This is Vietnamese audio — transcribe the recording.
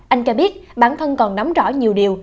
anh cho biết bản thân còn nắm rõ nhiều điều